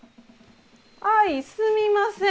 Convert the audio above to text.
あいすみません。